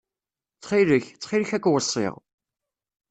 Ttxil-k, ttxil-k ad k-weṣṣiɣ.